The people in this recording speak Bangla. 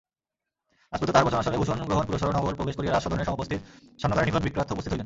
রাজপুত্র তাঁহার বচনানুসারে ভূষণগ্রহণপুরঃসর নগর প্রবেশ করিয়া রাজসদনের সমীপস্থিত স্বর্ণকারের নিকট বিক্রয়ার্থ উপস্থিত হইলেন।